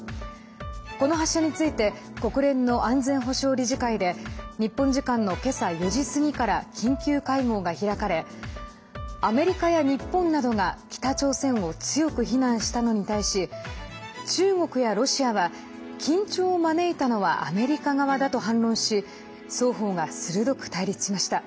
この発射について国連の安全保障理事会で日本時間の今朝４時過ぎから緊急会合が開かれアメリカや日本などが北朝鮮を強く非難したのに対し中国やロシアは緊張を招いたのはアメリカ側だと反論し双方が鋭く対立しました。